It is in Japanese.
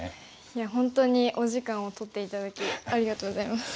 いや本当にお時間を取って頂きありがとうございます。